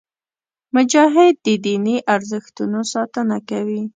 مجاهد د دیني ارزښتونو ساتنه کوي.